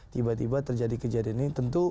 tiba tiba terjadi kejadian ini tentu